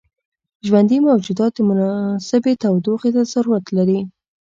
ژوندي موجودات مناسبې تودوخې ته ضرورت لري.